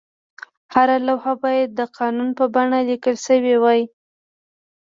هره لوحه باید د قانون په بڼه لیکل شوې وای.